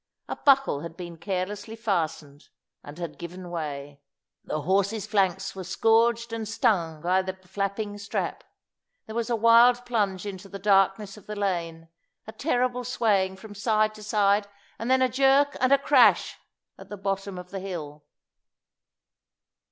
A buckle had been carelessly fastened, and had given way. The horse's flanks were scourged and stung by the flapping strap. There was a wild plunge into the darkness of the lane, a terrible swaying from side to side, and then a jerk and a crash at the bottom of the hill.